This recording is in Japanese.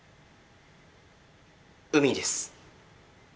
海です。